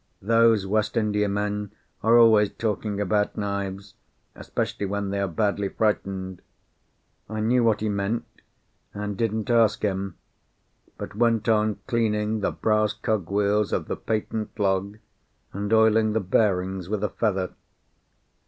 Those West India men are always talking about knives, especially when they are badly frightened. I knew what he meant, and didn't ask him, but went on cleaning the brass cog wheels of the patent log, and oiling the bearings with a feather.